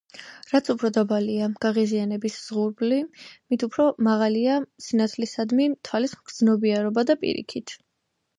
რაც უფრო დაბალია გაღიზიანების ზღურბლი, მით უფრო მაღალია სინათლისადმი თვალის მგრძნობიარობა და პირიქით.